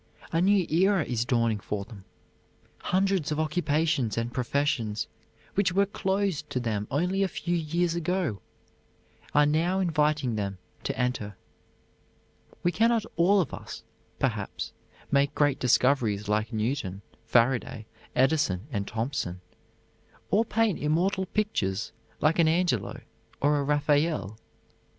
A new era is dawning for them. Hundreds of occupations and professions, which were closed to them only a few years ago, are now inviting them to enter. We can not all of us perhaps make great discoveries like Newton, Faraday, Edison, and Thompson, or paint immortal pictures like an Angelo or a Raphael.